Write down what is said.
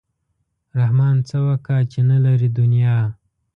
رحمان څه وکا چې نه لري دنیا.